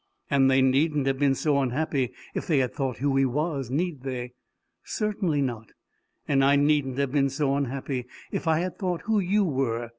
"And they needn't have been so unhappy if they had thought who he was need they?" "Certainly not. And I needn't have been so unhappy if I had thought who you were.